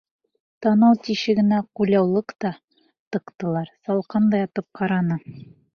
Танау тишегенә ҡульяулыҡ та тыҡтылар, салҡан да ятып ҡараны.